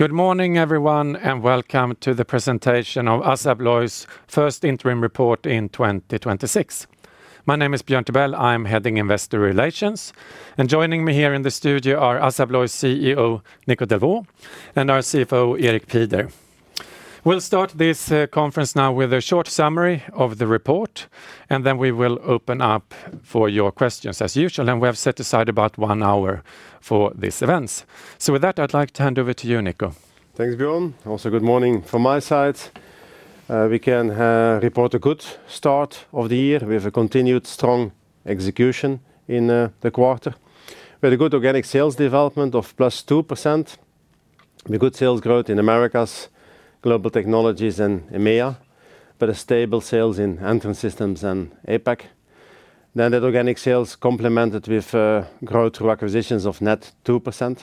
Good morning, everyone, and welcome to the presentation of Assa Abloy's first interim report in 2026. My name is Björn Tibell. I'm heading Investor Relations. Joining me here in the studio are Assa Abloy CEO Nico Delvaux and our CFO, Erik Pieder. We'll start this conference now with a short summary of the report, and then we will open up for your questions as usual. We have set aside about one hour for these events. With that, I'd like to hand over to you, Nico. Thanks, Björn. Also good morning from my side. We can report a good start of the year. We have a continued strong execution in the quarter. We had a good organic sales development of +2%. We had good sales growth in Americas, Global Technologies, and EMEA, but stable sales in Entrance Systems and APAC. That organic sales complemented with growth through acquisitions of net 2%.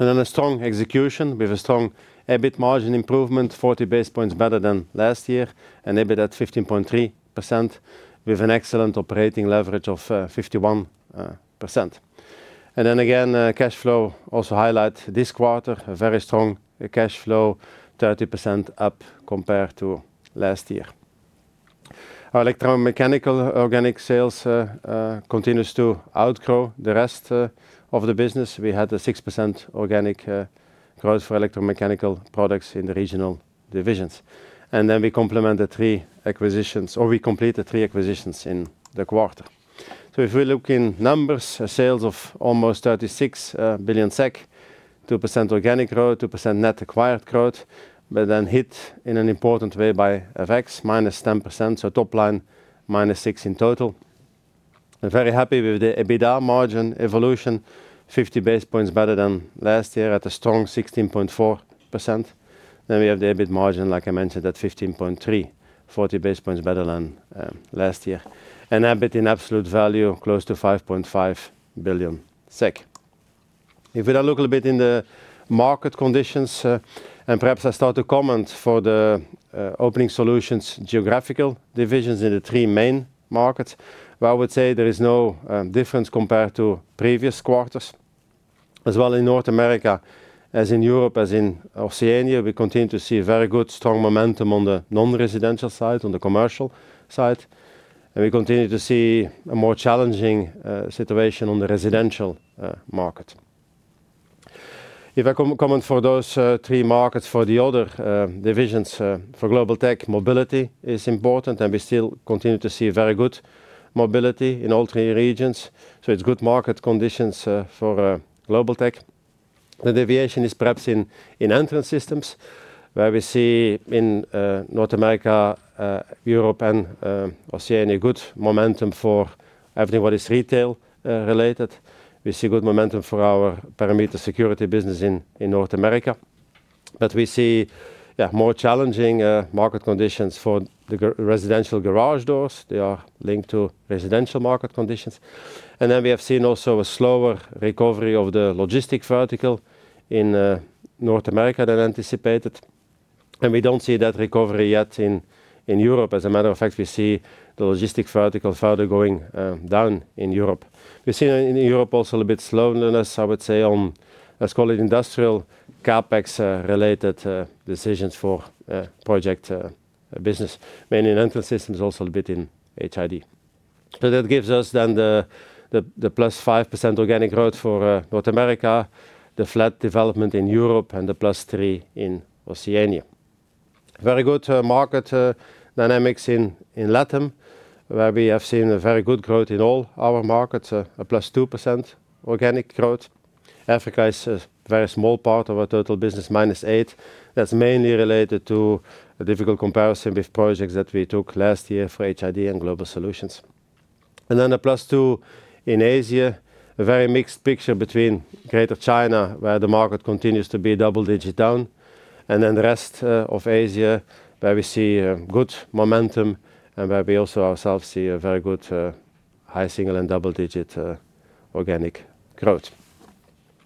A strong execution with a strong EBIT margin improvement, 40 basis points better than last year, and EBIT at 15.3% with an excellent operating leverage of 51%. Cash flow is also a highlight this quarter, a very strong cash flow, 30% up compared to last year. Our electromechanical organic sales continues to outgrow the rest of the business. We had a 6% organic growth for electromechanical products in the regional divisions. We completed three acquisitions in the quarter. If we look in numbers, sales of almost 36 billion SEK, 2% organic growth, 2% net acquired growth, but then hit in an important way by FX -10%, top line -6% in total. I'm very happy with the EBITDA margin evolution, 50 basis points better than last year at a strong 16.4%. We have the EBIT margin, like I mentioned, at 15.3%, 40 basis points better than last year. EBIT in absolute value close to 5.5 billion SEK. If we now look a little bit in the market conditions, and perhaps I start to comment for the Opening Solutions geographical divisions in the three main markets, well, I would say there is no difference compared to previous quarters. As well in North America, as in Europe, as in Oceania, we continue to see very good strong momentum on the non-residential side, on the commercial side, and we continue to see a more challenging situation on the residential market. If I comment for those three markets for the other divisions, for Global Tech, mobility is important, and we still continue to see very good mobility in all three regions. It's good market conditions for Global Tech. The deviation is perhaps in Entrance Systems, where we see in North America, Europe and Oceania, good momentum for everything what is retail related. We see good momentum for our perimeter security business in North America. We see more challenging market conditions for the non-residential garage doors. They are linked to residential market conditions. We have seen also a slower recovery of the logistics vertical in North America than anticipated. We don't see that recovery yet in Europe. As a matter of fact, we see the logistics vertical further going down in Europe. We see in Europe also a little bit slowness, I would say, on let's call it industrial CapEx related decisions for project business. Mainly in Entrance Systems, also a bit in HID. That gives us the +5% organic growth for North America, the flat development in Europe, and the +3% in Oceania. Very good market dynamics in LATAM, where we have seen a very good growth in all our markets, a +2% organic growth. Africa is a very small part of our total business, -8%. That's mainly related to a difficult comparison with projects that we took last year for HID and Global Solutions. A +2% in Asia, a very mixed picture between Greater China, where the market continues to be double-digit down, and the rest of Asia, where we see good momentum and where we also ourselves see a very good high single- and double-digit organic growth.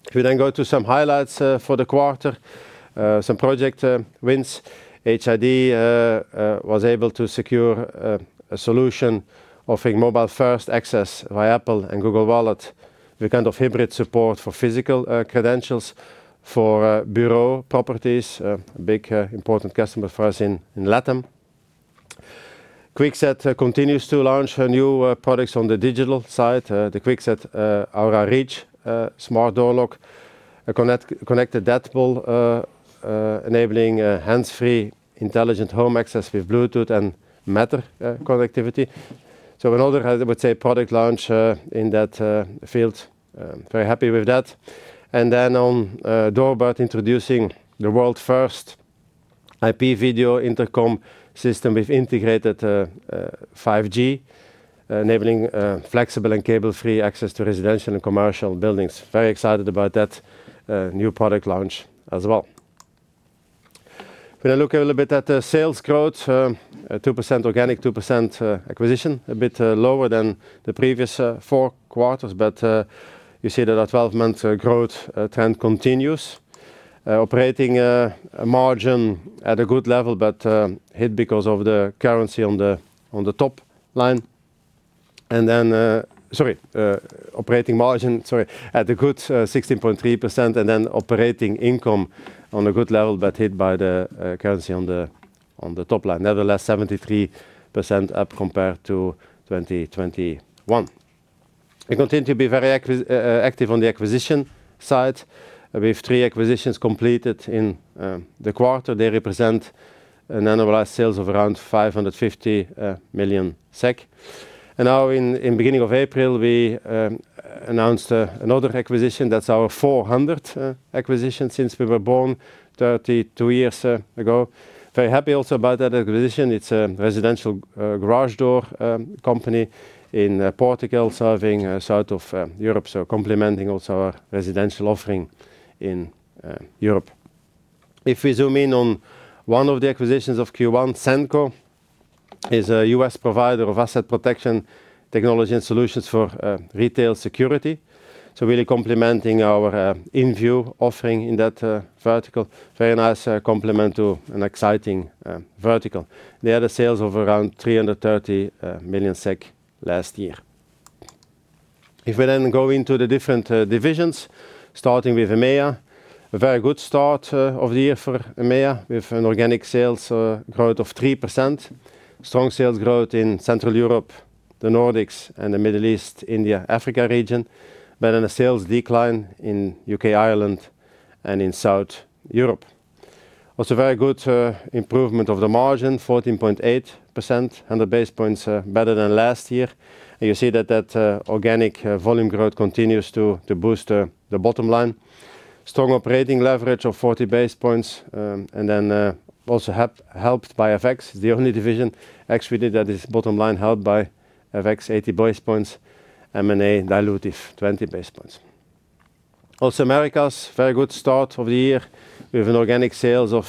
If we then go to some highlights for the quarter, some project wins. HID was able to secure a solution offering mobile-first access via Apple and Google Wallet with kind of hybrid support for physical credentials for Bureau Properties, a big important customer for us in LATAM. Kwikset continues to launch new products on the digital side. The Kwikset Aura Reach smart door lock, a connected deadbolt, enabling hands-free intelligent home access with Bluetooth and Matter connectivity. Another, I would say, product launch in that field. Very happy with that. Then on DoorBird introducing the world's first IP video intercom system with integrated 5G, enabling flexible and cable-free access to residential and commercial buildings. Very excited about that, new product launch as well. If we now look a little bit at the sales growth, 2% organic, 2% acquisition, a bit lower than the previous four quarters. You see that our 12-month growth trend continues. Operating margin at a good level, but hit because of the currency on the top line. Operating margin at a good 16.3%, and then operating income on a good level, but hit by the currency on the top line. Nevertheless, 73% up compared to 2021. We continue to be very active on the acquisition side. We have three acquisitions completed in the quarter. They represent an annualized sales of around 550 million SEK. Now in the beginning of April, we announced another acquisition. That's our 400th acquisition since we were born 32 years ago. Very happy also about that acquisition. It's a residential garage door company in Portugal serving South of Europe, so complementing also our residential offering in Europe. If we zoom in on one of the acquisitions of Q1, Sennco is a U.S. provider of asset protection technology and solutions for retail security, so really complementing our InVue offering in that vertical. Very nice complement to an exciting vertical. They had sales of around 330 million SEK last year. If we then go into the different divisions, starting with EMEA, a very good start of the year for EMEA with an organic sales growth of 3%. Strong sales growth in Central Europe, the Nordics, and the Middle East, India, Africa region, but then a sales decline in U.K., Ireland, and in South Europe. Also, very good improvement of the margin, 14.8%, and the basis points are better than last year. You see that organic volume growth continues to boost the bottom line. Strong operating leverage of 40 basis points, and then also helped by FX. The only division actually that is bottom line helped by FX 80 basis points, M&A dilutive 20 basis points. Americas, very good start of the year with organic sales of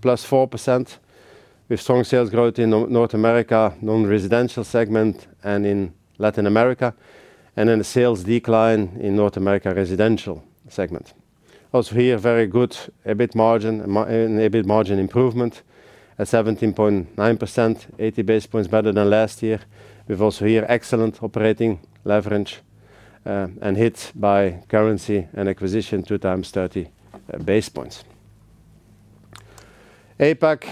+4%, with strong sales growth in North America non-residential segment and in Latin America, and then a sales decline in North America residential segment. Here, very good EBIT margin and EBIT margin improvement at 17.9%, 80 basis points better than last year. We have excellent operating leverage here, and hit by currency and acquisition 2x 30 basis points. APAC,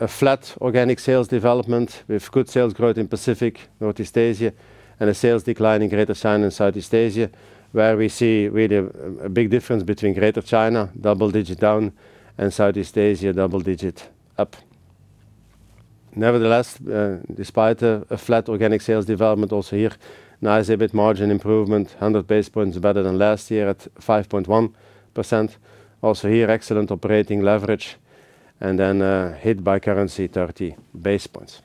a flat organic sales development with good sales growth in Pacific, Southeast Asia, and a sales decline in Greater China and Southeast Asia, where we see really a big difference between Greater China, double-digit down, and Southeast Asia, double-digit up. Nevertheless, despite a flat organic sales development also here, nice EBIT margin improvement, 100 basis points better than last year at 5.1%. Also here, excellent operating leverage and then hit by currency 30 basis points.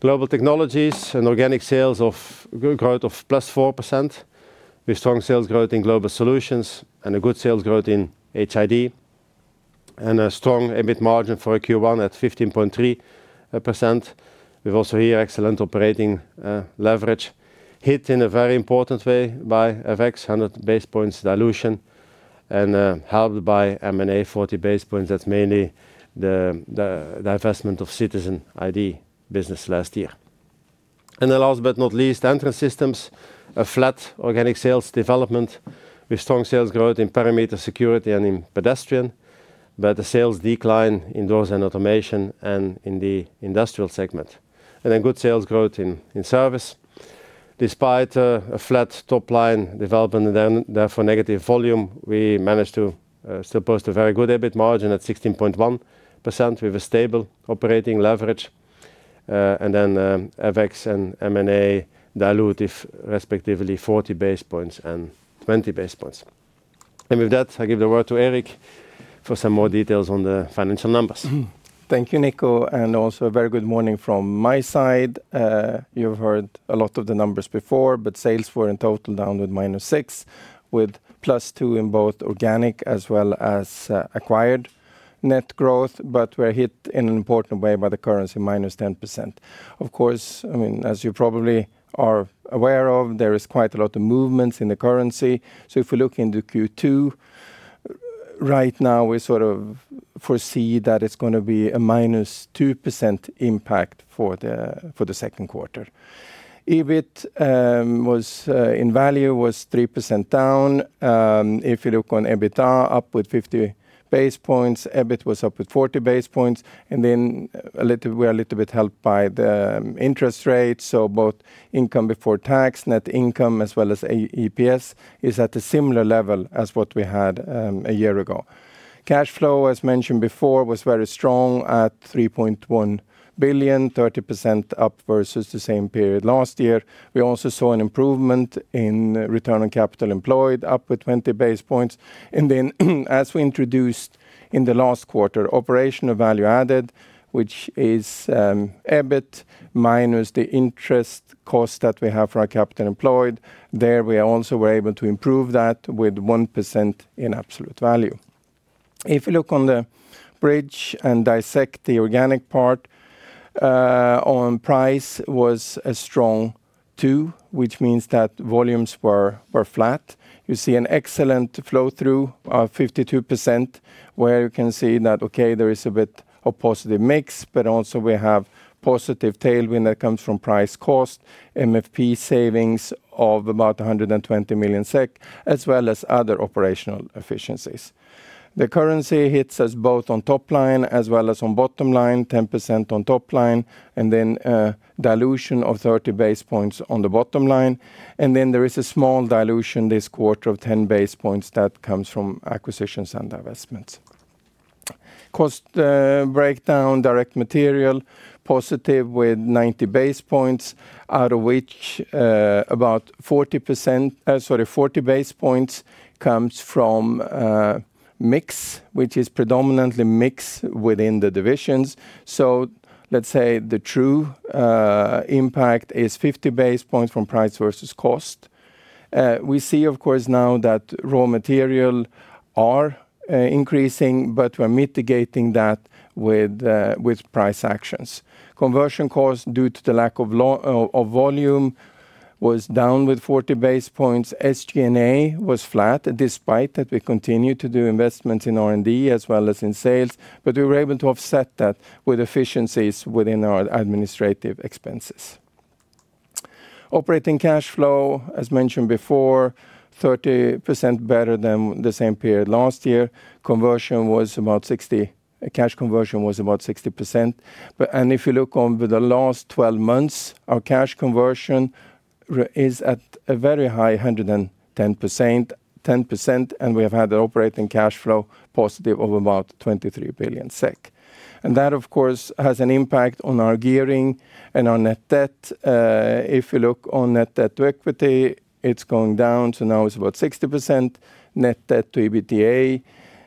Global Technologies, an organic sales growth of +4% with strong sales growth in Global Solutions and a good sales growth in HID, and a strong EBIT margin for Q1 at 15.3%. We've also here excellent operating leverage, hit in a very important way by FX, 100 basis points dilution and helped by M&A 40 basis points. That's mainly the divestment of Citizen ID business last year. Last but not least, Entrance Systems, a flat organic sales development with strong sales growth in perimeter security and in pedestrian, but a sales decline in doors and automation and in the industrial segment. Good sales growth in service. Despite a flat top-line development and therefore negative volume, we managed to still post a very good EBIT margin at 16.1%. We have a stable operating leverage, and FX and M&A dilutive respectively 40 basis points and 20 basis points. With that, I give the word to Erik for some more details on the financial numbers. Thank you, Nico, and also a very good morning from my side. You've heard a lot of the numbers before, but sales were in total down -6%, with +2% in both organic as well as acquired net growth. We're hit in an important way by the currency -10%. Of course, I mean, as you probably are aware of, there is quite a lot of movements in the currency. If you look into Q2, right now we sort of foresee that it's gonna be a -2% impact for the second quarter. EBIT in value was 3% down. If you look on EBITDA, up with 50 basis points. EBIT was up with 40 basis points, and then we're a little bit helped by the interest rates. Both income before tax, net income, as well as A-EPS is at a similar level as what we had a year ago. Cash flow, as mentioned before, was very strong at 3.1 billion, 30% up versus the same period last year. We also saw an improvement in return on capital employed, up with 20 basis points. Then as we introduced in the last quarter, operational value added, which is EBIT minus the interest cost that we have for our capital employed. There, we also were able to improve that with 1% in absolute value. If you look on the bridge and dissect the organic part, on price was a strong two, which means that volumes were flat. You see an excellent flow-through of 52% where you can see that okay, there is a bit of positive mix, but also we have positive tailwind that comes from price cost, MFP savings of about 120 million SEK, as well as other operational efficiencies. The currency hits us both on top line as well as on bottom line, 10% on top line, and then dilution of 30 basis points on the bottom line. Then there is a small dilution this quarter of 10 basis points that comes from acquisitions and divestments. Cost breakdown, direct material, positive with 90 basis points, out of which about 40 basis points comes from mix, which is predominantly mix within the divisions. So let's say the true impact is 50 basis points from price versus cost. We see of course now that raw materials are increasing, but we're mitigating that with price actions. Conversion costs due to the lack of volume was down 40 basis points. SG&A was flat despite that we continue to do investments in R&D as well as in sales, but we were able to offset that with efficiencies within our administrative expenses. Operating cash flow, as mentioned before, 30% better than the same period last year. Cash conversion was about 60%. If you look over the last 12 months, our cash conversion is at a very high 110%, and we have had the operating cash flow positive of about 23 billion SEK. That of course has an impact on our gearing and our net debt. If you look on net debt to equity, it's gone down, so now it's about 60%. Net debt to EBITDA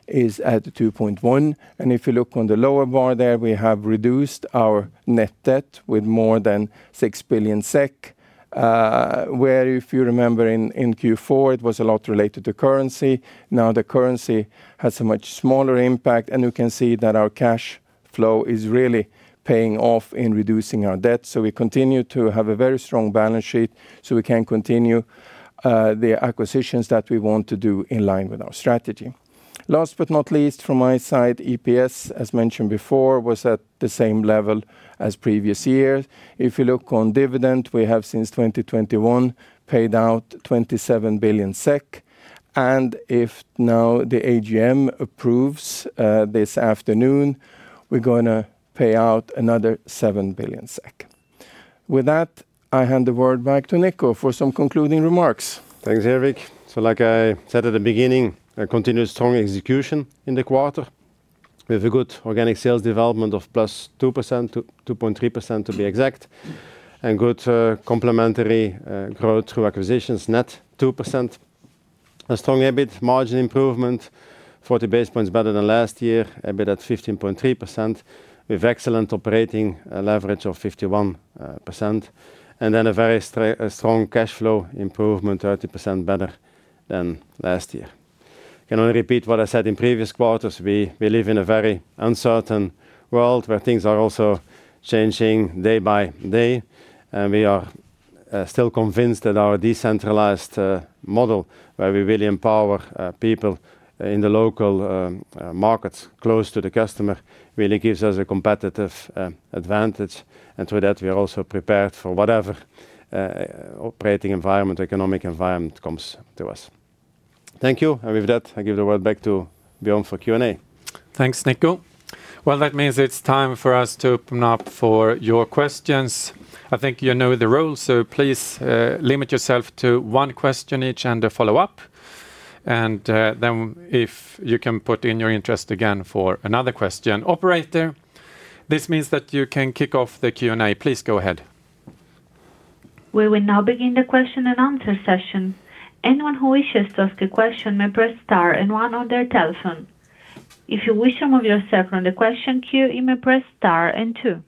is at 2.1. If you look on the lower bar there, we have reduced our net debt with more than 6 billion SEK. Where if you remember in Q4 it was a lot related to currency. Now the currency has a much smaller impact, and you can see that our cash flow is really paying off in reducing our debt. We continue to have a very strong balance sheet, so we can continue the acquisitions that we want to do in line with our strategy. Last but not least from my side, EPS, as mentioned before, was at the same level as previous year. If you look on dividend, we have since 2021 paid out 27 billion SEK. If now the AGM approves this afternoon, we're gonna pay out another 7 billion SEK. With that, I hand the word back to Nico for some concluding remarks. Thanks, Erik. Like I said at the beginning, a continuous strong execution in the quarter. We have a good organic sales development of +2%-2.3% to be exact, and good complementary growth through acquisitions, net 2%. A strong EBIT margin improvement, 40 basis points better than last year, EBIT at 15.3%. We have excellent operating leverage of 51%, and then a very strong cash flow improvement, 30% better than last year. Can only repeat what I said in previous quarters, we live in a very uncertain world where things are also changing day by day, and we are still convinced that our decentralized model, where we really empower people in the local markets close to the customer, really gives us a competitive advantage. Through that, we are also prepared for whatever operating environment, economic environment comes to us. Thank you. With that, I give the word back to Björn for Q&A. Thanks, Nico. Well, that means it's time for us to open up for your questions. I think you know the rules, so please limit yourself to one question each and a follow-up. Then if you can put in your interest again for another question. Operator, this means that you can kick off the Q&A. Please go ahead. We will now begin the question and answer session. Anyone who wishes to ask a question may press star and one on their telephone. If you wish to remove yourself from the question queue, you may press star and two.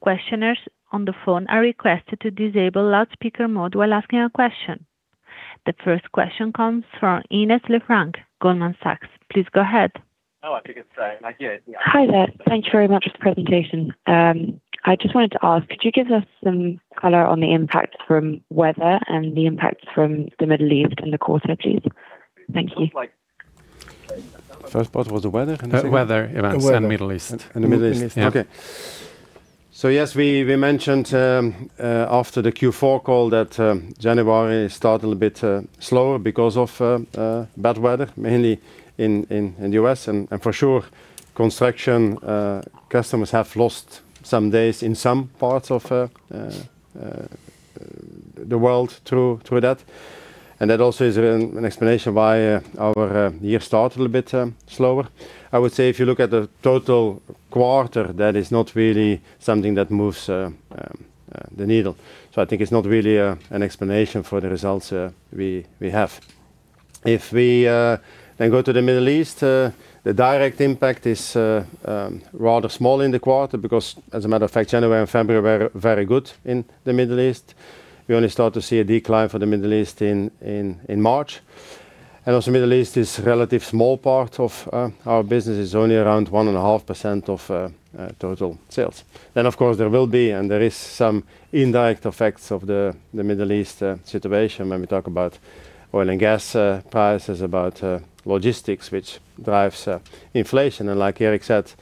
Questioners on the phone are requested to disable loudspeaker mode while asking a question. The first question comes from Ines Lefranc, Goldman Sachs. Please go ahead. Hi there. Thank you very much for the presentation. I just wanted to ask, could you give us some color on the impact from weather and the impact from the Middle East in the quarter, please? Thank you. First part was the weather? The weather events and Middle East. The Middle East. Okay. Yes, we mentioned after the Q4 call that January started a bit slower because of bad weather, mainly in the U.S. For sure, construction customers have lost some days in some parts of the world through that. That also is an explanation why our year started a bit slower. I would say if you look at the total quarter, that is not really something that moves the needle. I think it's not really an explanation for the results we have. If we then go to the Middle East, the direct impact is rather small in the quarter because as a matter of fact, January and February were very good in the Middle East. We only start to see a decline for the Middle East in March. Also Middle East is relatively small part of our business. It's only around 1.5% of total sales. Of course, there will be and there is some indirect effects of the Middle East situation when we talk about oil and gas prices, about logistics, which drives inflation. Like Erik said,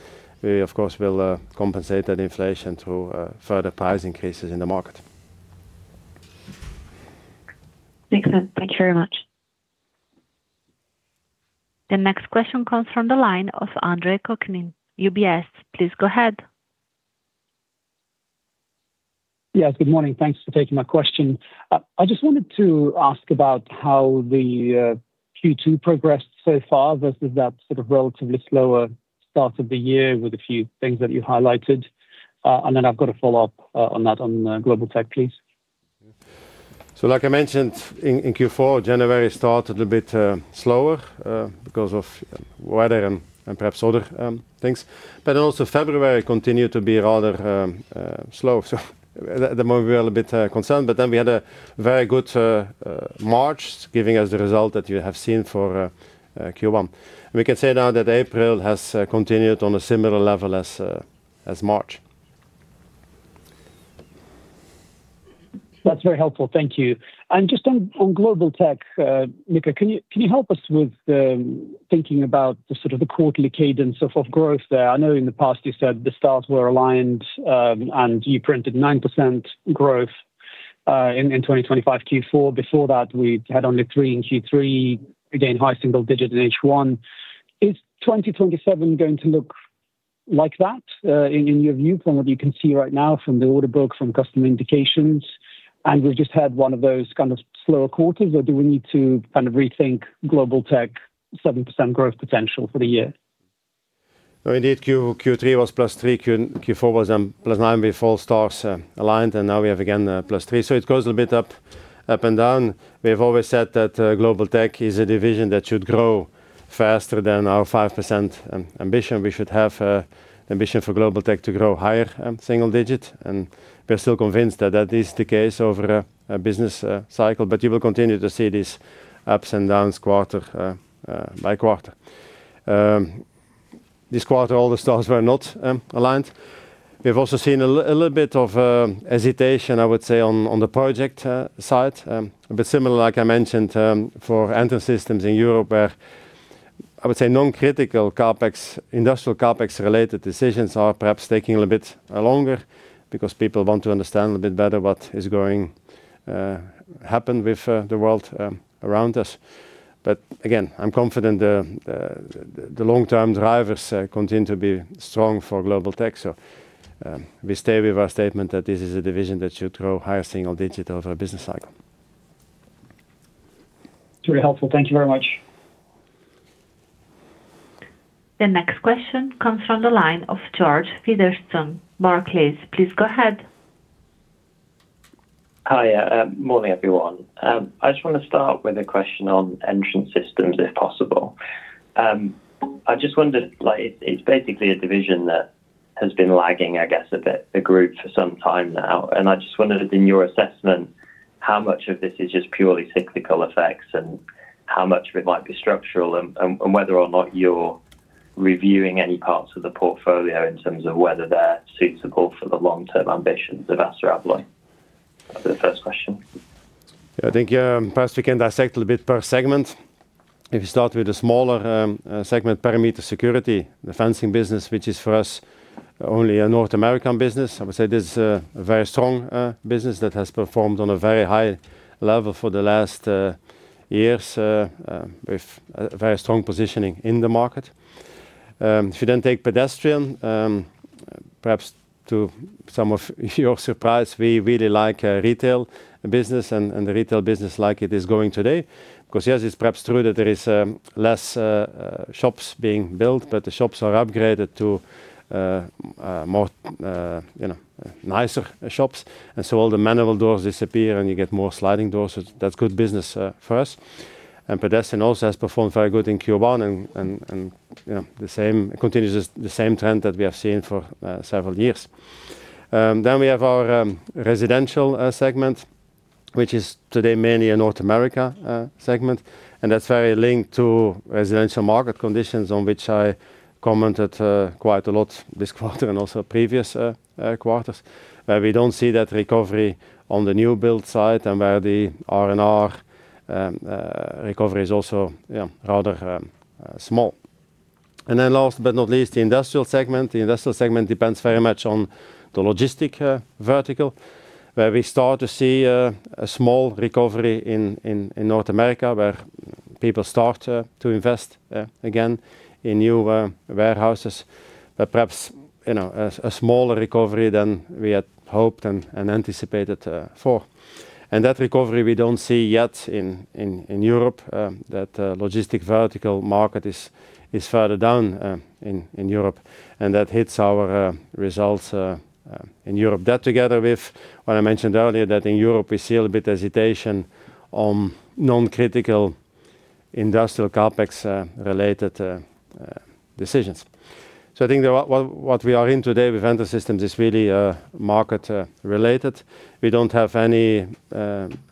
we of course will compensate that inflation through further price increases in the market. Makes sense. Thank you very much. The next question comes from the line of Andre Kukhnin, UBS. Please go ahead. Yes, good morning. Thanks for taking my question. I just wanted to ask about how the Q2 progressed so far versus that sort of relatively slower start of the year with a few things that you highlighted. Then I've got a follow-up on that on Global Tech, please. Like I mentioned in Q4, January started a bit slower because of weather and perhaps other things. Also February continued to be rather slow. The moment we are a bit concerned, but then we had a very good March giving us the result that you have seen for Q1. We can say now that April has continued on a similar level as March. That's very helpful. Thank you. Just on Global Tech, Nico, can you help us with thinking about the sort of the quarterly cadence of growth there? I know in the past you said the stars were aligned, and you printed 9% growth in 2025 Q4. Before that, we had only three in Q3. Again, high single digit in H1. Is 2027 going to look like that, in your view, from what you can see right now from the order book, from customer indications? And we've just had one of those kind of slower quarters, or do we need to kind of rethink Global Tech 7% growth potential for the year? No, indeed, Q3 was +3%. Q4 was +9% with all stars aligned, and now we have again +3%. It goes a bit up and down. We have always said that Global Technologies is a division that should grow faster than our 5% ambition. We should have ambition for Global Technologies to grow higher single digits, and we're still convinced that that is the case over a business cycle. You will continue to see these ups and downs quarter by quarter. This quarter, all the stars were not aligned. We've also seen a little bit of hesitation, I would say, on the project side. Similar, like I mentioned, for Entrance Systems in Europe, where I would say non-critical CapEx, industrial CapEx related decisions are perhaps taking a little bit longer because people want to understand a little bit better what is going to happen with the world around us. Again, I'm confident the long-term drivers continue to be strong for Global Tech. We stay with our statement that this is a division that should grow higher single digit over a business cycle. It's really helpful. Thank you very much. The next question comes from the line of George Featherstone, Barclays. Please go ahead. Hi. Morning, everyone. I just wanna start with a question on Entrance Systems if possible. I just wondered, like, it's basically a division that has been lagging, I guess, behind the group for some time now. I just wondered in your assessment, how much of this is just purely cyclical effects and how much of it might be structural and whether or not you're reviewing any parts of the portfolio in terms of whether they're suitable for the long-term ambitions of Assa Abloy? That's the first question. Yeah, I think, yeah, perhaps we can dissect a little bit per segment. If you start with the smaller segment perimeter security, the fencing business which is for us only a North American business, I would say this is a very strong business that has performed on a very high level for the last years with a very strong positioning in the market. If you then take Pedestrian, perhaps to some of your surprise, we really like retail business and the retail business like it is going today. 'Cause yes, it's perhaps true that there is less shops being built, but the shops are upgraded to more you know nicer shops. All the manual doors disappear, and you get more sliding doors. That's good business for us. Pedestrian also has performed very good in Q1 and you know the same continues the same trend that we have seen for several years. Then we have our residential segment which is today mainly a North America segment, and that's very linked to residential market conditions on which I commented quite a lot this quarter and also previous quarters. Where we don't see that recovery on the new build side and where the R&R recovery is also you know rather small. Last but not least, the industrial segment. The industrial segment depends very much on the logistics vertical, where we start to see a small recovery in North America, where people start to invest again in new warehouses. Perhaps, you know, smaller recovery than we had hoped and anticipated for. That recovery we don't see yet in Europe, logistic vertical market is further down in Europe, and that hits our results in Europe. That together with what I mentioned earlier, that in Europe we see a little bit hesitation on non-critical industrial CapEx related decisions. I think that what we are in today with Entrance Systems is really market related. We don't have any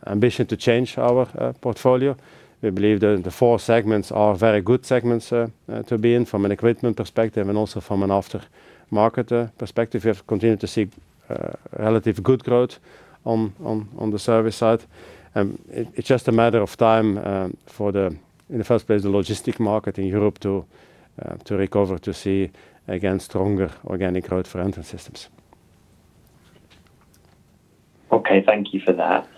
ambition to change our portfolio. We believe that the four segments are very good segments to be in from an equipment perspective and also from an after market perspective. We have continued to see relative good growth on the service side. It's just a matter of time, in the first place, for the logistics market in Europe to recover, to see again stronger organic growth for Entrance Systems. Okay, thank you for that.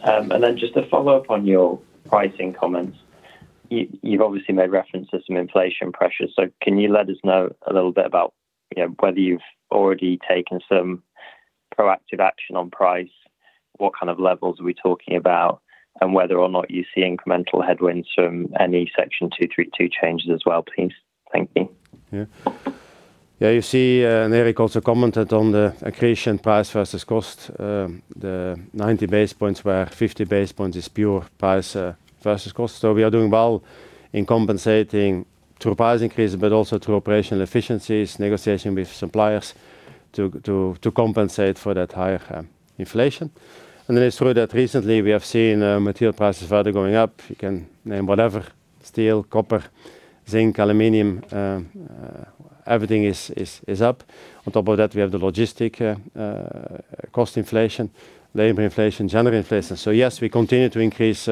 Just to follow up on your pricing comments. You've obviously made reference to some inflation pressures. Can you let us know a little bit about, you know, whether you've already taken some proactive action on price? What kind of levels are we talking about? Whether or not you see incremental headwinds from any Section 232 changes as well, please. Thank you. Yeah. Yeah, you see, Erik also commented on the accretion price versus cost. The 90 basis points where 50 basis points is pure price versus cost. We are doing well in compensating through price increases but also through operational efficiencies, negotiation with suppliers to compensate for that higher inflation. Then I saw that recently we have seen material prices further going up. You can name whatever. Steel, copper, zinc, aluminum, everything is up. On top of that, we have the logistics cost inflation, labor inflation, general inflation. Yes, we continue to increase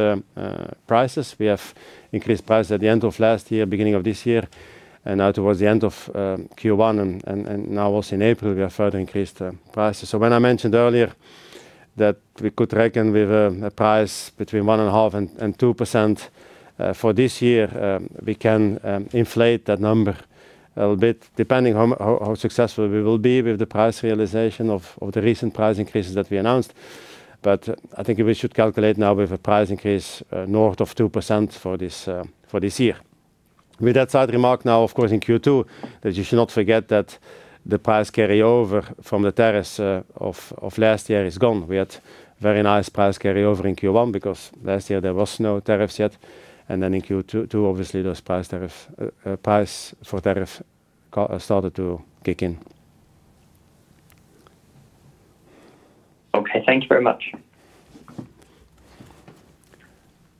prices. We have increased price at the end of last year, beginning of this year, and now towards the end of Q1 and now also in April we have further increased prices. When I mentioned earlier that we could reckon with a price between 1.5% and 2% for this year, we can inflate that number a little bit, depending how successful we will be with the price realization of the recent price increases that we announced. But I think we should calculate now with a price increase north of 2% for this year. With that side remark now, of course in Q2, that you should not forget that the price carryover from the tariffs of last year is gone. We had very nice price carryover in Q1 because last year there was no tariffs yet. In Q2, obviously those price-for-tariff got started to kick in. Okay, thank you very much.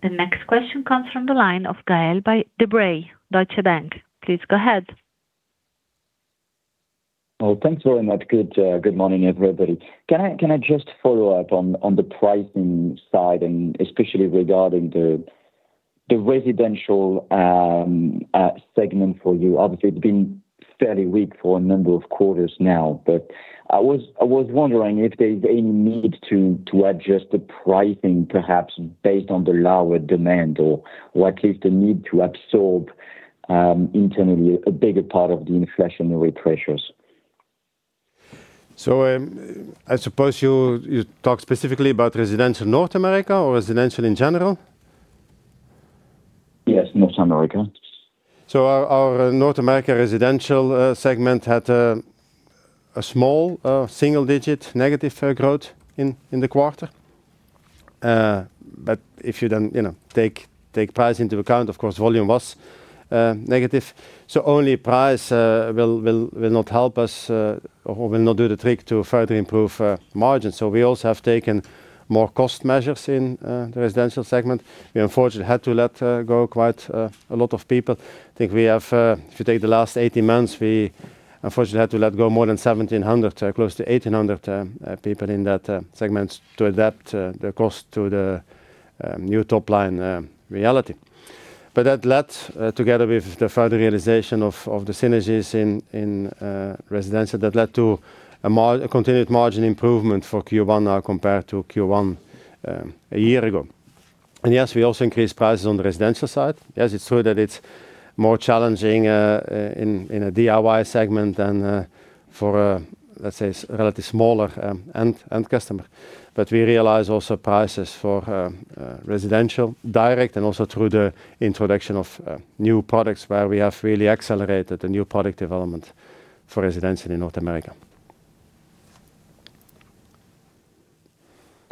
The next question comes from the line of Gael de Bray, Deutsche Bank. Please go ahead. Well, thanks very much. Good morning, everybody. Can I just follow up on the pricing side and especially regarding the residential segment for you? Obviously it's been fairly weak for a number of quarters now, but I was wondering if there's any need to adjust the pricing perhaps based on the lower demand or what is the need to absorb internally a bigger part of the inflationary pressures? I suppose you talk specifically about residential North America or residential in general? Yes, North America. Our North America residential segment had a small single-digit negative growth in the quarter. If you don't, you know, take price into account, of course volume was negative. Only price will not help us or will not do the trick to further improve margins. We also have taken more cost measures in the residential segment. We unfortunately had to let go quite a lot of people. I think we have, if you take the last 18 months, we unfortunately had to let go more than 1,700, close to 1,800 people in that segment to adapt the cost to the new top line reality. That led together with the further realization of the synergies in residential, that led to a continued margin improvement for Q1 now compared to Q1 a year ago. Yes, we also increased prices on the residential side. Yes, it's true that it's more challenging in a DIY segment than for, let's say, a relatively smaller end customer. We realize also prices for residential direct and also through the introduction of new products where we have really accelerated the new product development for residential in North America.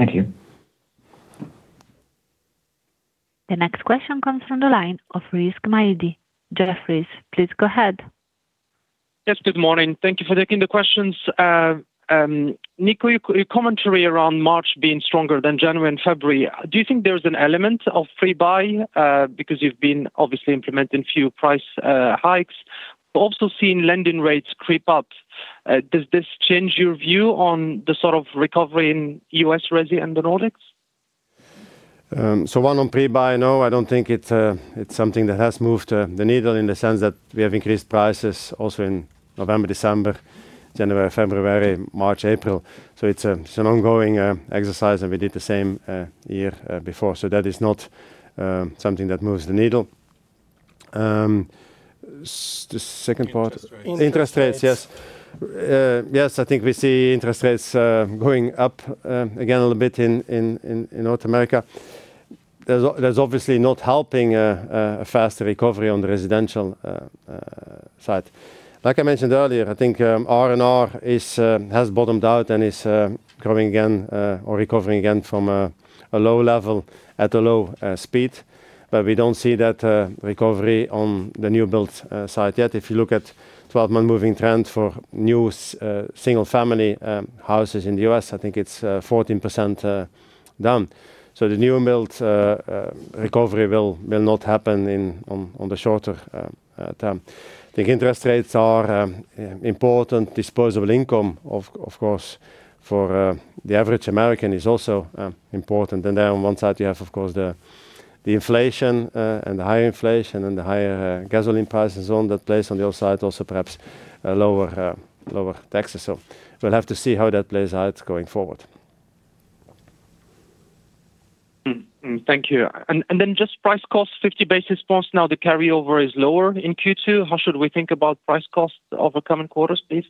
Thank you. The next question comes from the line of Rizk Maidi, Jefferies. Please go ahead. Yes, good morning. Thank you for taking the questions. Nico, your commentary around March being stronger than January and February, do you think there's an element of pre-buy, because you've been obviously implementing few price hikes, but also seeing lending rates creep up. Does this change your view on the sort of recovery in U.S. resi and the Nordics? One on pre-buy, no, I don't think it's something that has moved the needle in the sense that we have increased prices also in November, December, January, February, March, April. It's an ongoing exercise, and we did the same year before. That is not something that moves the needle. The second part- Interest rates. Interest rates, yes. I think we see interest rates going up again a little bit in North America. There's obviously not helping a faster recovery on the residential side. Like I mentioned earlier, I think R&R has bottomed out and is growing again or recovering again from a low level at a low speed. We don't see that recovery on the new build side yet. If you look at 12-month moving trend for new single family houses in the U.S., I think it's 14% down. The new build recovery will not happen in the shorter term. The interest rates are important. Disposable income of course for the average American is also important. On one side, you have, of course, the inflation and the higher inflation and the higher gasoline prices on that plays. On the other side also perhaps lower taxes. We'll have to see how that plays out going forward. Thank you. Just price cost 50 basis points. Now the carryover is lower in Q2. How should we think about price costs over coming quarters, please?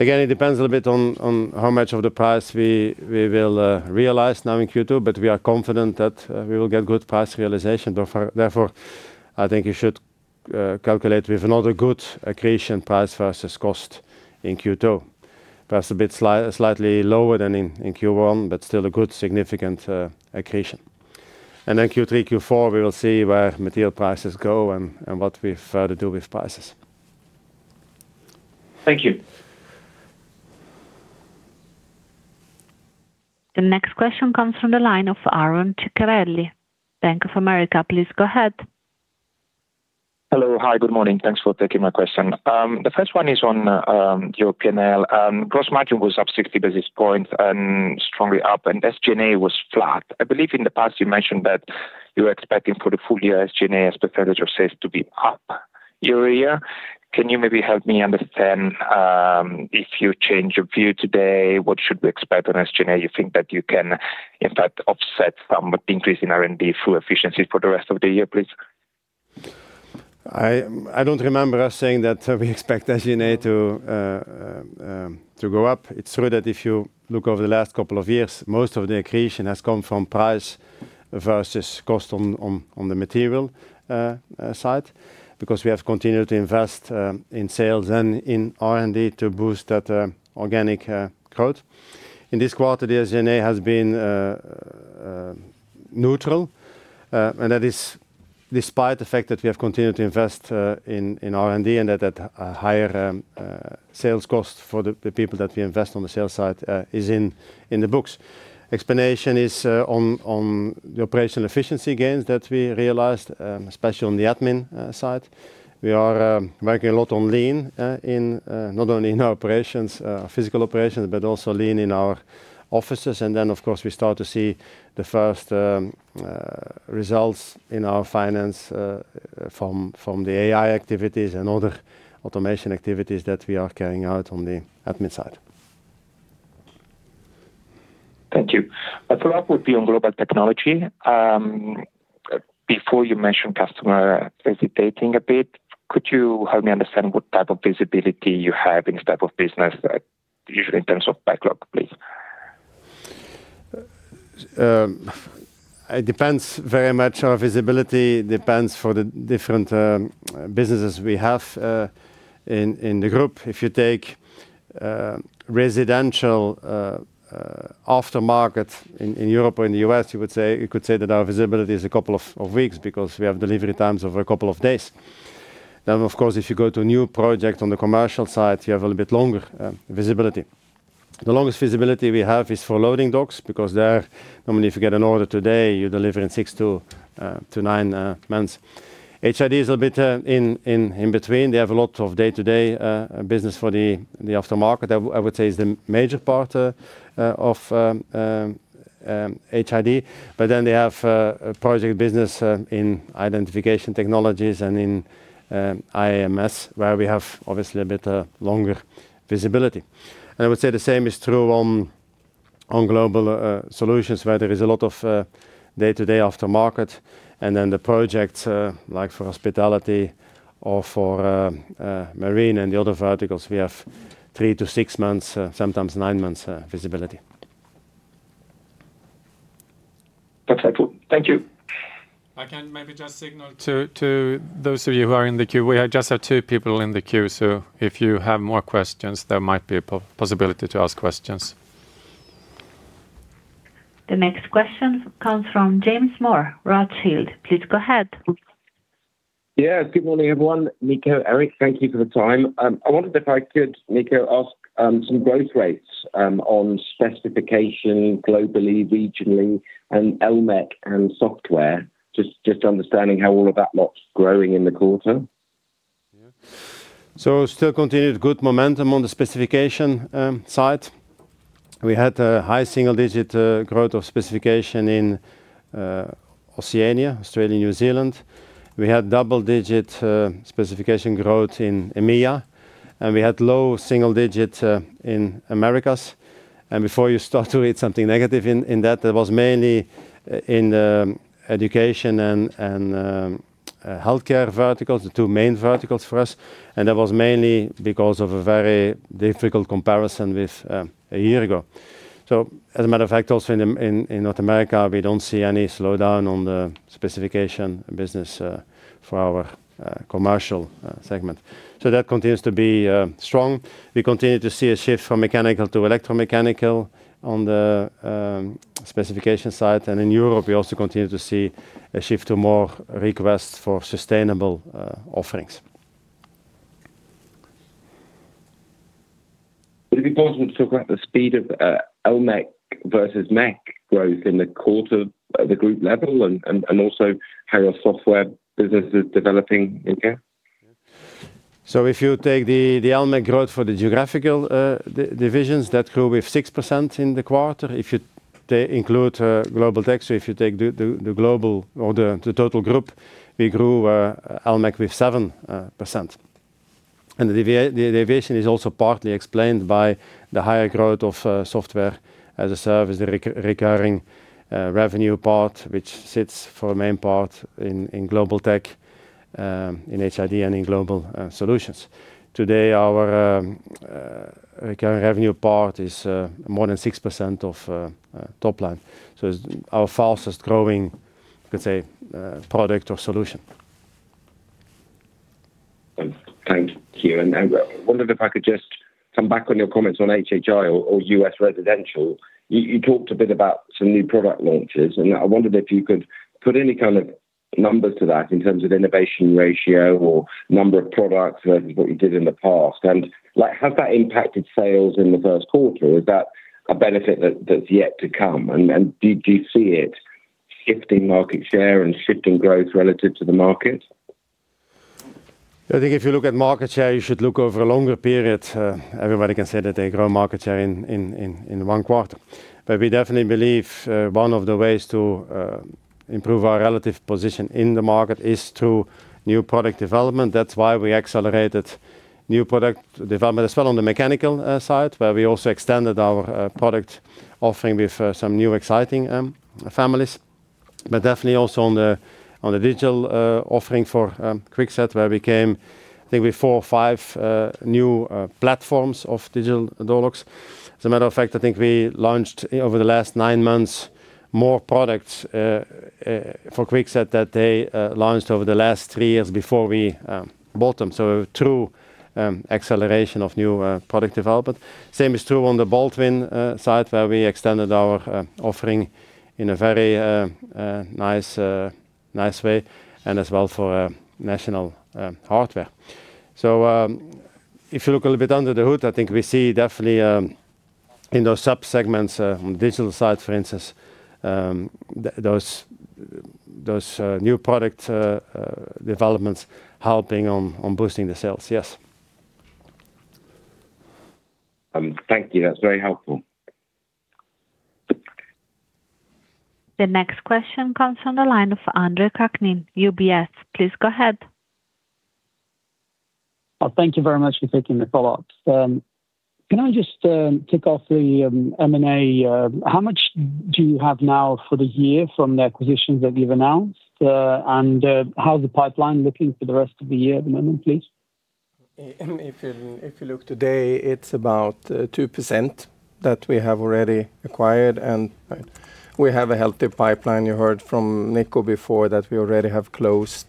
Again, it depends a little bit on how much of the price we will realize now in Q2, but we are confident that we will get good price realization. Therefore, I think you should calculate with another good accretion price versus cost in Q2. Perhaps a bit slightly lower than in Q1, but still a good significant accretion. Then Q3, Q4, we will see where material prices go and what we further do with prices. Thank you. The next question comes from the line of Aaron Ciccarelli, Bank of America. Please go ahead. Hello. Hi. Good morning. Thanks for taking my question. The first one is on your P&L. Gross margin was up 60 basis points and strongly up, and SG&A was flat. I believe in the past you mentioned that you were expecting for the full year SG&A as percentage of sales to be up year-over-year. Can you maybe help me understand if you change your view today, what should we expect on SG&A? You think that you can in fact offset some increase in R&D through efficiencies for the rest of the year, please? I don't remember us saying that we expect SG&A to go up. It's true that if you look over the last couple of years, most of the accretion has come from price versus cost on the material side, because we have continued to invest in sales and in R&D to boost that organic growth. In this quarter, the SG&A has been neutral, and that is despite the fact that we have continued to invest in R&D and that higher sales cost for the people that we invest on the sales side is in the books. Explanation is on the operational efficiency gains that we realized, especially on the admin side. We are working a lot on lean in not only our physical operations, but also lean in our offices. Of course, we start to see the first results in our finance from the AI activities and other automation activities that we are carrying out on the admin side. Thank you. A follow-up would be on Global Technologies. Before you mentioned customer hesitating a bit, could you help me understand what type of visibility you have in this type of business, usually in terms of backlog, please? It depends very much. Our visibility depends for the different businesses we have in the group. If you take residential aftermarket in Europe or in the U.S., you would say, you could say that our visibility is a couple of weeks because we have delivery times over a couple of days. Of course, if you go to a new project on the commercial side, you have a little bit longer visibility. The longest visibility we have is for loading docks because there, normally if you get an order today, you deliver in six to nine months. HID is a bit in between. They have a lot of day-to-day business for the aftermarket. I would say is the major part of HID. They have a project business in identification technologies and in IAM, where we have obviously a bit longer visibility. I would say the same is true on Global Solutions, where there is a lot of day-to-day aftermarket. The projects like for hospitality or for marine and the other verticals, we have three to six months, sometimes nine months, visibility. That's helpful. Thank you. I can maybe just signal to those of you who are in the queue. We just have two people in the queue, so if you have more questions, there might be a possibility to ask questions. The next question comes from James Moore, Rothschild. Please go ahead. Yes. Good morning, everyone. Nico, Erik, thank you for the time. I wondered if I could, Nico, ask some growth rates on specification globally, regionally and LMEC and software. Just understanding how all of that lot's growing in the quarter. Still continued good momentum on the specification side. We had high single-digit growth of specification in Oceania, Australia, New Zealand. We had double-digit specification growth in EMEIA, and we had low single-digit in Americas. Before you start to read something negative in that was mainly in education and healthcare verticals, the two main verticals for us, and that was mainly because of a very difficult comparison with a year ago. As a matter of fact, also in North America, we don't see any slowdown on the specification business for our commercial segment. That continues to be strong. We continue to see a shift from mechanical to electromechanical on the specification side. In Europe, we also continue to see a shift to more requests for sustainable offerings. Would it be possible to talk about the speed of LMEC versus MEC growth in the quarter at the group level and also how your software business is developing in here? If you take the LMEC growth for the geographical divisions, that grew with 6% in the quarter. If you include Global Tech, if you take the global or the total group, we grew LMEC with 7%. The deviation is also partly explained by the higher growth of software as a service, the recurring revenue part, which sits for a main part in Global Tech, in HID and in Global Solutions. Today, our recurring revenue part is more than 6% of top line. It's our fastest-growing, let's say, product or solution. Thank you. I wondered if I could just come back on your comments on HHI or U.S. residential. You talked a bit about some new product launches, and I wondered if you could put any kind of numbers to that in terms of innovation ratio or number of products versus what you did in the past. Like, has that impacted sales in the first quarter? Is that a benefit that's yet to come? Do you see it shifting market share and shifting growth relative to the market? I think if you look at market share, you should look over a longer period. Everybody can say that they grow market share in one quarter. We definitely believe one of the ways to improve our relative position in the market is through new product development. That's why we accelerated new product development as well on the mechanical side, where we also extended our product offering with some new exciting families. Definitely also on the digital offering for Kwikset, where we came, I think with four or five new platforms of digital door locks. As a matter of fact, I think we launched over the last nine months more products for Kwikset that they launched over the last three years before we bought them. A true acceleration of new product development. Same is true on the Baldwin side, where we extended our offering in a very nice way, and as well for National Hardware. If you look a little bit under the hood, I think we see definitely in those subsegments on the digital side, for instance, those new product developments helping on boosting the sales. Yes. Thank you. That's very helpful. The next question comes from the line of Andre Kukhnin, UBS. Please go ahead. Oh, thank you very much for taking the call. Can I just kick off the M&A? How much do you have now for the year from the acquisitions that you've announced? How's the pipeline looking for the rest of the year at the moment, please? If you look today, it's about 2% that we have already acquired, and we have a healthy pipeline. You heard from Nico before that we already have closed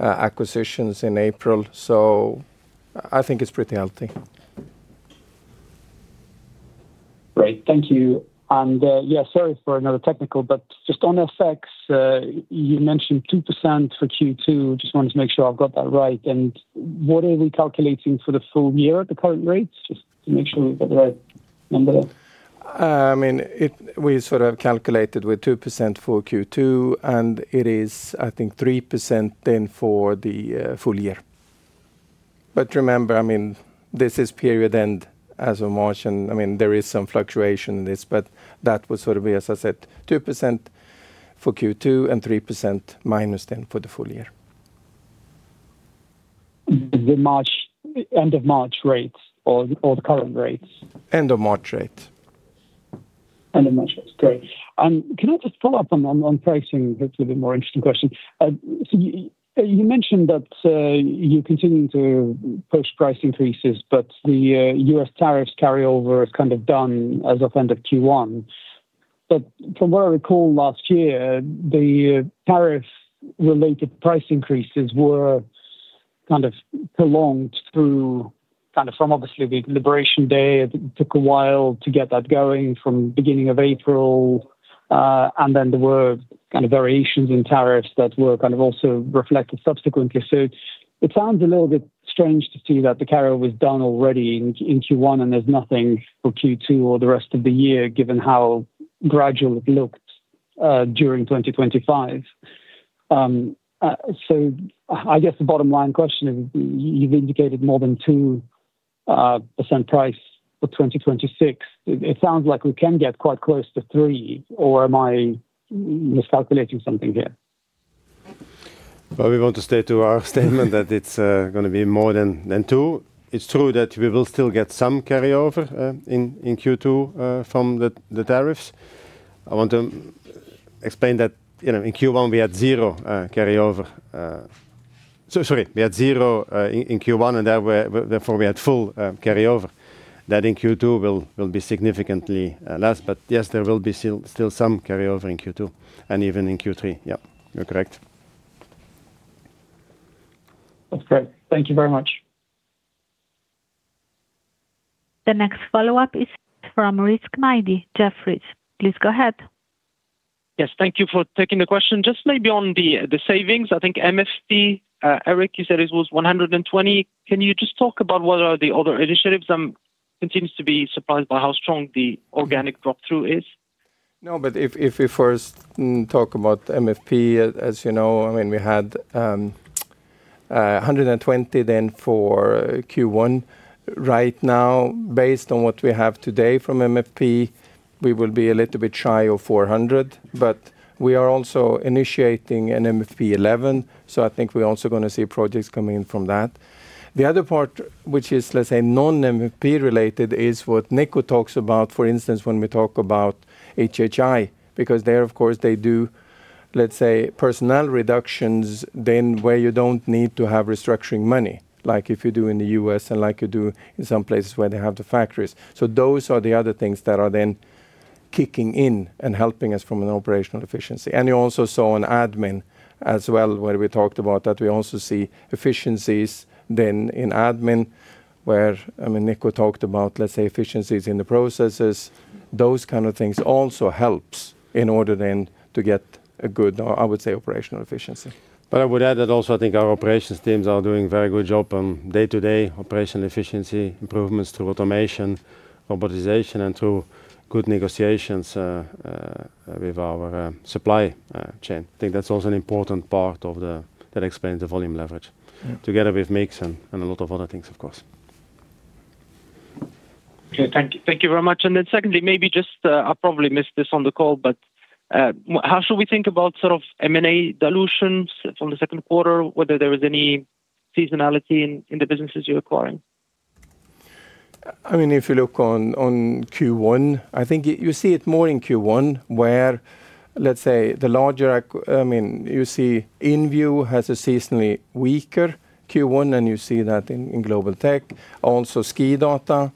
acquisitions in April. I think it's pretty healthy. Great. Thank you. Sorry for another technical, but just on FX, you mentioned 2% for Q2. Just wanted to make sure I've got that right. What are we calculating for the full year at the current rates? Just to make sure we've got the right number there. I mean, we sort of calculated with 2% for Q2, and it is, I think, 3% then for the full year. Remember, I mean, this is period end as of March, and I mean, there is some fluctuation in this, but that would sort of be, as I said, 2% for Q2 and 3% minus then for the full year. The March, end of March rates or the current rates? End of March rates. End of March rates. Great. Can I just follow up on pricing? That's a bit more interesting question. You mentioned that you're continuing to push price increases, but the U.S. tariffs carryover is kind of done as of end of Q1. From what I recall last year, the tariff-related price increases were kind of prolonged through kind of from obviously the Liberation Day. It took a while to get that going from beginning of April. And then there were kind of variations in tariffs that were kind of also reflected subsequently. It sounds a little bit strange to see that the carryover is done already in Q1, and there's nothing for Q2 or the rest of the year, given how gradual it looked during 2025. I guess the bottom line question, you've indicated more than 2% price for 2026. It sounds like we can get quite close to 3%, or am I miscalculating something here? Well, we want to stick to our statement that it's gonna be more than 2%. It's true that we will still get some carryover in Q2 from the tariffs. I want to explain that, you know, in Q1 we had zero carryover. We had zero in Q1 and therefore we had full carryover. That in Q2 will be significantly less. Yes, there will be still some carryover in Q2 and even in Q3. Yep, you're correct. That's great. Thank you very much. The next follow-up is from Rizk Maidi, Jefferies. Please go ahead. Yes, thank you for taking the question. Just maybe on the savings. I think MFP, Erik, you said it was 120 million. Can you just talk about what are the other initiatives? I continue to be surprised by how strong the organic drop through is. No, but if we first talk about MFP, as you know, I mean, we had 120 million then for Q1. Right now, based on what we have today from MFP, we will be a little bit shy of 400 million, but we are also initiating an MFP 11 million, so I think we're also gonna see projects coming in from that. The other part which is, let's say, non-MFP related is what Nico talks about, for instance, when we talk about HHI, because there of course, they do, let's say, personnel reductions then where you don't need to have restructuring money, like if you do in the U.S. and like you do in some places where they have the factories. So those are the other things that are then kicking in and helping us from an operational efficiency. You also saw on admin as well, where we talked about that we also see efficiencies then in admin, where, I mean, Nico talked about, let's say, efficiencies in the processes. Those kind of things also helps in order then to get a good, or I would say, operational efficiency. I would add that also, I think our operations teams are doing very good job on day-to-day operational efficiency improvements through automation, robotization, and through good negotiations with our supply chain. I think that's also an important part that explains the volume leverage together with mix and a lot of other things, of course. Okay, thank you very much. Secondly, maybe just, I probably missed this on the call, but, how should we think about sort of M&A dilutions from the second quarter, whether there was any seasonality in the businesses you're acquiring? I mean, if you look on Q1, I think you see it more in Q1, where, let's say the larger. I mean, you see InVue has a seasonally weaker Q1, and you see that in Global Tech. Also, SKIDATA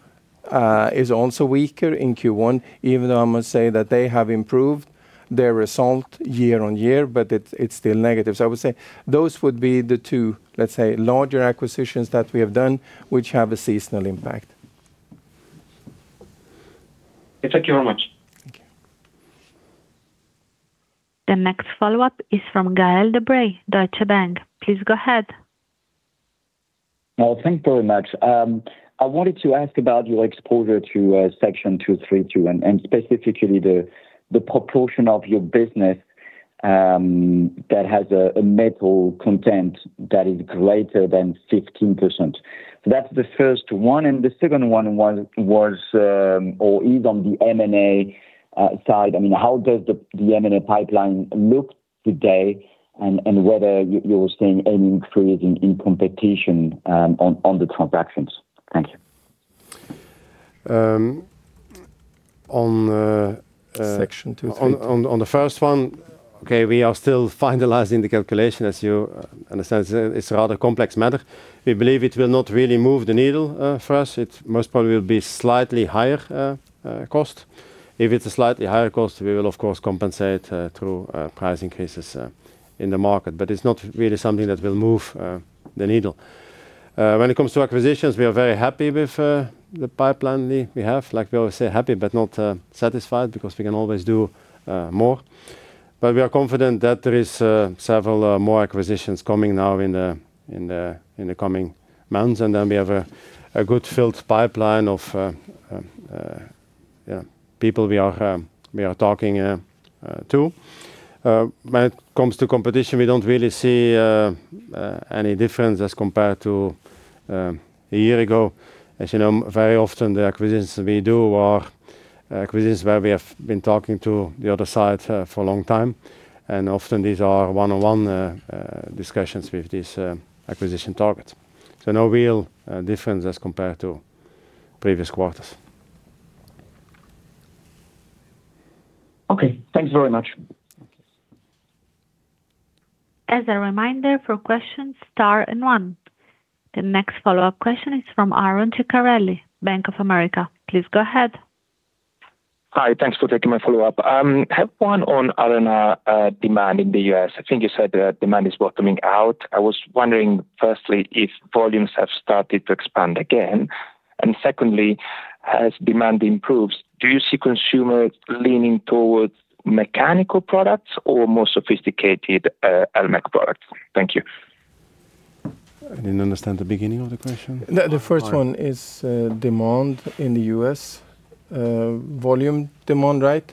is also weaker in Q1, even though I must say that they have improved their result year-on-year, but it's still negative. I would say those would be the two, let's say, larger acquisitions that we have done which have a seasonal impact. Thank you very much. Thank you. The next follow-up is from Gael de Bray, Deutsche Bank. Please go ahead. Well, thank you very much. I wanted to ask about your exposure to Section 232 and specifically the proportion of your business that has a metal content that is greater than 15%. That's the first one. The second one was, or is on the M&A side. I mean, how does the M&A pipeline look today and whether you're seeing any increase in competition on the transactions? Thank you. Um, on, uh- Section 232 On the first one, okay, we are still finalizing the calculation. As you understand, it's a rather complex matter. We believe it will not really move the needle for us. It most probably will be slightly higher cost. If it's a slightly higher cost, we will of course compensate through price increases in the market. It's not really something that will move the needle. When it comes to acquisitions, we are very happy with the pipeline we have. Like we always say, happy but not satisfied, because we can always do more. We are confident that there is several more acquisitions coming now in the coming months. We have a good filled pipeline of people we are talking to. When it comes to competition, we don't really see any difference as compared to a year ago. As you know, very often the acquisitions we do are acquisitions where we have been talking to the other side for a long time, and often these are one-on-one discussions with these acquisition targets. No real difference as compared to previous quarters. Okay, thanks very much. As a reminder for questions, star and one. The next follow-up question is from Aaron Ciccarelli, Bank of America. Please go ahead. Hi. Thanks for taking my follow-up. I have one on R&R, demand in the U.S. I think you said that demand is bottoming out. I was wondering, firstly, if volumes have started to expand again? Secondly, as demand improves, do you see consumers leaning towards mechanical products or more sophisticated, LMEC products? Thank you. I didn't understand the beginning of the question. The first one is demand in the U.S., volume demand, right?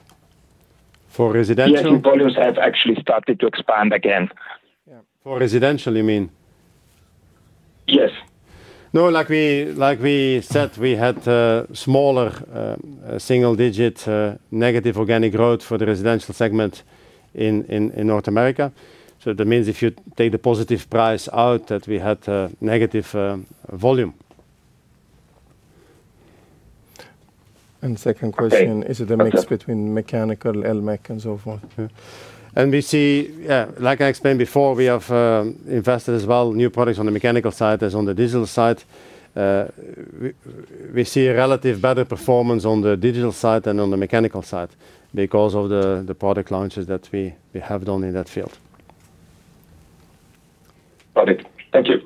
For residential? Yes. Volumes have actually started to expand again. Yeah. For residential, you mean? Yes. No. Like we said, we had smaller single-digit negative organic growth for the residential segment in North America. That means if you take the positive price out, that we had negative volume. Second question, is it a mix between mechanical, LMEC and so forth? Yeah. We see, yeah, like I explained before, we have invested as well new products on the mechanical side as on the digital side. We see a relative better performance on the digital side than on the mechanical side because of the product launches that we have done in that field. Got it. Thank you.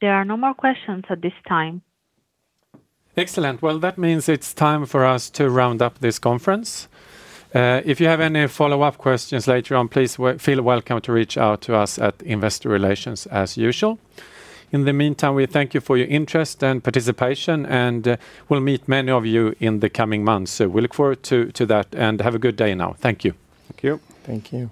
There are no more questions at this time. Excellent. Well, that means it's time for us to round up this conference. If you have any follow-up questions later on, please feel welcome to reach out to us at investor relations as usual. In the meantime, we thank you for your interest and participation, and we'll meet many of you in the coming months. We look forward to that. Have a good day now. Thank you. Thank you. Thank you.